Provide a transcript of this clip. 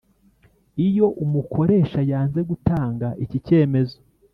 Iyo umukoresha yanze gutanga iki cyemezo